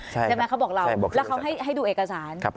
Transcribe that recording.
ใช่ครับเขาบอกเราแล้วเขาให้ให้ดูเอกสารครับผม